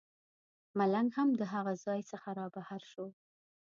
ملنګ هم د هغه ځای څخه رابهر شو.